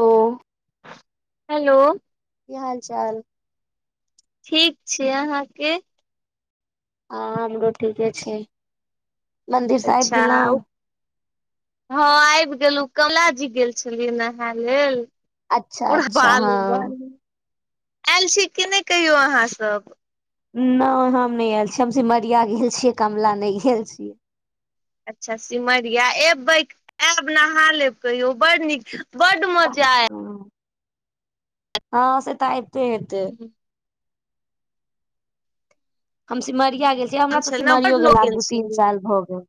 ओ hello की हाल- चाल? ठीक छि अहाँके? आ हमरो ठीके छै। मंदिर से आबि अच्छा गेलहुँ उ हँ आइब गेलौ कमलाजी गेल छेलियै नहाय लेल अच्छा पूरा अच्छा बालू हँ बालू एयल छी के नै कहियौ आहाँ सब नहि हम नहि आयल छीै हम सिमरिया गेल छियै कमला नहि गेल छीय, अच्छा सिमरिया एबै आयब नहा लेब कहियो बड़ नीक [unintelligible] मजा ह हँ से तऽऐत [unintelligible] हू [inaudible] हम सिमरिया गेल छियै हमरा तऽ छलै बड सिमरियो लोग गेला गेल आ दू तीन छलै साल भऽ गेल।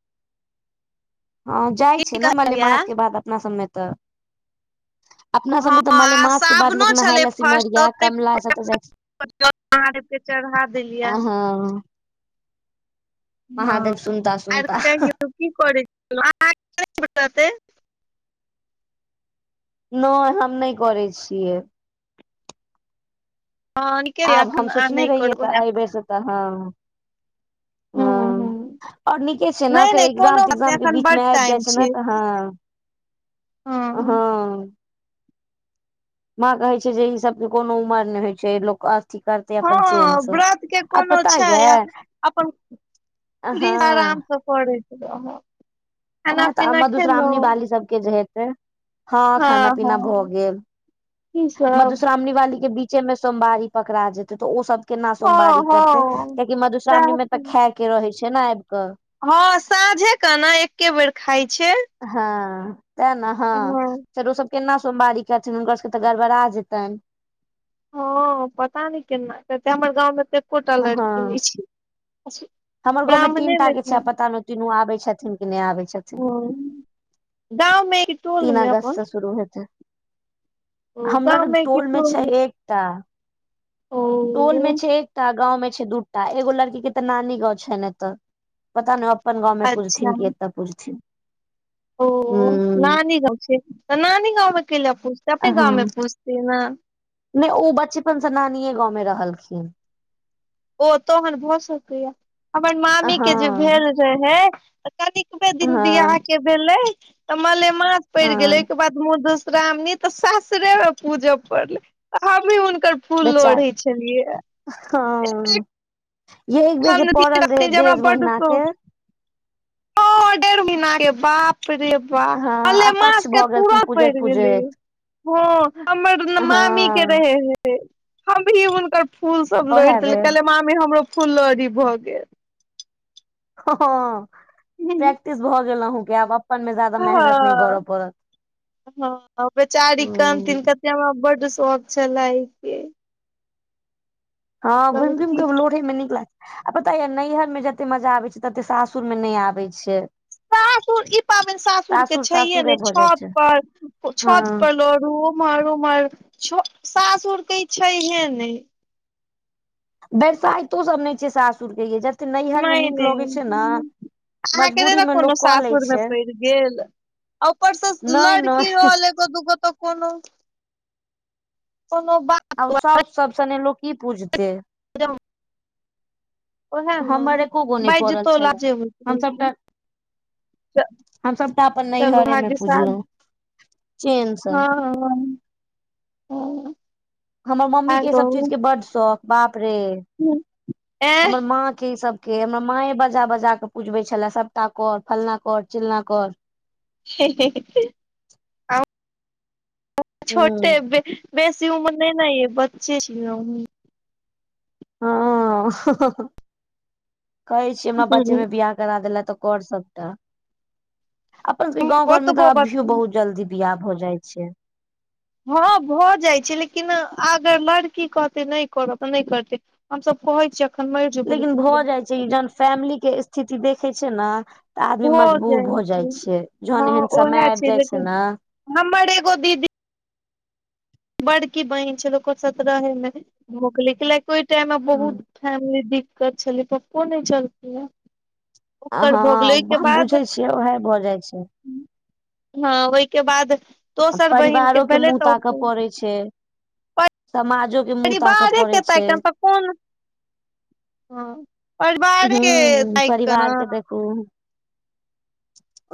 हँ जाइ की छै ने कहलियै मलेमासके बाद अपना सभमे तऽ, अपना हँ सबमे तऽ आ मलेमास के बाद लो साबुनो नहााय छलै लए फर्स्ट तऽ सिमरिया ओते कमला ऐसा तऽ जाइ छे के चढ़ा देलियै [unintelligible] हँ महादेव हँ सुनता आर सुनता कहि की करै। [unintelligible] नहि हम नहि करै छियै। करब आब हम एखन आ सोचने नहि रहिै करब तऽ बे से तऽ हँ हूं हूं हँ। आओर नीके छै ने नहि फेर नहि एक्जाम कोनो बात नहि त्जाम के एखन बीच बड मे आबि जाय टाइम छै ने तऽ ह, हँ माँ कहै छै जे ई सबके कोनो उमर नहि होइ छै लोक अथी कर, हँ व्रत के कोनो छै ये अपन हँ [unintelligible] आराम से पै छँ। [inaudible] व मधुश्रावणी बाली सबके जे हेते हँ खाना पीना भऽ गेल। की सब मधुश्रावणी वाली के बीचेमें सोमवारी पकड़ा जेते तो ओ सब, केना हँ सोमवारी हँ करते कियाकि मधुश्रावणी सैह में तऽ त खाय के रहे छै ने आबि कऽ, हँ साँझे केना एके बेर खाइ छै। हँ त ने हँ, फेर ओ सभ केना सोमवारी करथिन हुनकर सबके तऽ गड़ा बड़ा जेतनि, हँ प [unintelligible] ता नहि केना हमर गाँंव में त कोटा लड़की हँ हमर गाँवमे तीन टा ब्राह्मणेमे के छै। [unintelligible] पता नहि तीनू आबे छथिन क नहि आबै छथिन? गाँव मे कि टोल तीन मे अपन अगस्त से शुरू होत। हमरा त टोल मे छै एकटा, ओ टोल मे छै एकटा गाँं में छै दूटा एगो लड़की के तऽ नानी गाँंव छै ने तऽ, पता नहि ओ अपन गाँवमे अच्छा पूजथिन कि एतय पूजथिन? ओ नानी गाँव छै नानी गाँंव मे क लि पूछते अपने गाँवमे हँ पुछते ने? नहि ओ बचपनसँ नानि गाँवमें रहलखिन, ओ तोहन भऽ सकैया हमर हँ मामी के जे भेल रहै? त कनिकबे दिन बिआाह हँ के भेलै तऽ मल [unintelligible] माछ पड़ि गेल हँ ओहिके बाद मशरा न [unintelligible] तऽ सासुरे मे पूजय पड़लै हमी हुनकर फूल बेचारी लोढ़े छलियै। हँ ए [inaudible] ये एक बेर काम जे पड़ल रात रहे जमा डेढ़ बस महीना के [unintelligible] ओ डेढ़ महिने बापरे, वाह हँ अकच्छ मालेमास के भऽ गेलखिन तुरत पड़ पूजैत गेलै, पूजैत हँ हमर दूनो मामी के हँ रहे हे, हम भी हुनकर फूल सब लोड़ि ओएह देले बेर कहले मामी हमरो फूल लड़ी भऽ गेल, हँ गेल प्रैक्टिस भऽ गेलहुँ कि आब अपन मे जादाा मेहनत नहि हँ करऽ पड़त, हँ बेचारी ह कहनथिन कत हमरा बड शौक छले के, आब हँ कहबै घुम्म की घूम लोढ़े मे निकल, आ पता यऽ नैहर में जतेऽ मजा आबे छै, तते सासुर मे नहि आबै छै। सासुर ई पाबनि सासुर के छैये सासुरे ने, भऽ जाइ छत छै पर छत हँ पर लोड़ू। उमहर -उमहर छ सासुर के इ छैहे ने। बरसाइतो सब नहि छै सासुरके यैऽ। नै- नै। अहाँके नै मजबूरी ने मे लोक कोनो कऽ लै सासुरमे छै पड़ि गेल? ऊपर से नहि लड़की नहि रहल एगो दूगो तऽ कोनो कोनो बात आ साउस सब सने लोक की पूजते। [inaudible] ओएह ने हमर एको गो नै बाजि पड़ल जेतौ छलए लाजे होइत रहै हमसभटा हम सबटा अपन चलू नैहरेमें पुजलहुँ। भाग्यशाली चेन से हँ -हँ ओ। हमर मम्मी के ई सब चीज के बड्ड शौख, बाप रे ऐं हमर माँ के ई सब के हमरा माऐ बजा- बजा के पुजबे छले, सबपटा कर फलां कर चिलना कर। हम छोटे हूं बेसी-बेसी उमर नै ने येऽ बच्चे छी ने अंहू। हऽ कहै छीयै, हमरा बच्चे मे बियाह करा देलऽ तऽ कर सबटा। अपन सबके गाँंव घर मे ओतबो तऽ अभियो बच्चा बहुत जल्दी बियाह भ जाइ छै। हँ भऽ जाइत छै, लेकिन अगर लड़की कहतै नहि करब तऽ नहि करतै। हमस कहै छीयै अखन मरिऽ जेबौ लेकिन भऽ जाइ छै बियाह जहन फैमिली के स्थिति देखै छै ने तऽ आदमी मजबूर भऽ जाइ छै, जहन हँ एहन समय ओएह आबि जाय छै लेकिन ने हमर एगो दीदी बड़की बहीन छल ओकर सत्रहवें में भऽ गेल हैं, ओहि टाइम बहुत हँ फैमिली दिक्कत छलै पप्पो नै छलखिन हे। आ ओकर हँ भोगलै ओहिके हम बाद बुझै छियै ओएहे भऽ जाइ छै। हँ ओहिके बाद आ दोसर बहिनक के परिवारो भेलै मुँह तऽ ताकऽ पड़ै छै। समाजो के मुँह ताकऽ पड़ै छै क [inaudible] हँ परिवारे तैऽक कऽ न। कहू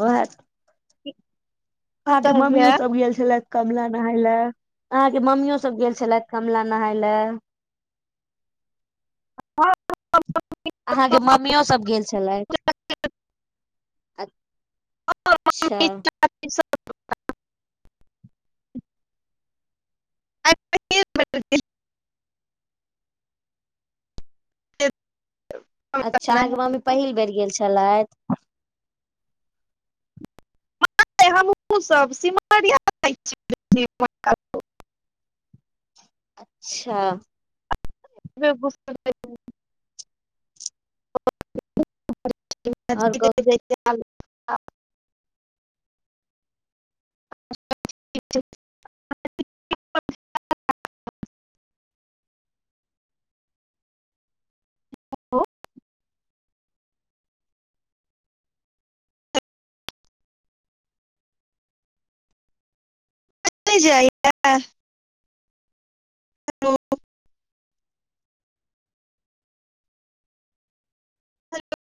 ओ ह [inaudible] अहाँ के मम्मीो सब गेल छलथि। कमला नहाय लएऽ, अहाँके मम्मियो सब गेल छलथि कमला नहाय लएऽ। अहाँके मम्मियो सब गेल छलथि। अ -च्छा! अच्छा अहाँके मम्मी पहिल बेर गेल छलथि। हमहुँ सब सिमरिया जा छै एम्हरका लोक। अच्छा! आओर कहू [unintelligible] [inaudible] हेलो! नइ जाइया। हेलो! हेलो!